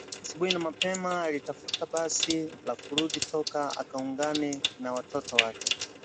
Asubuhi na mapema alitafuta basi la kurudi Toko akaungane na watoto wake